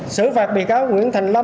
sử phạt bị cáo nguyễn thành lâm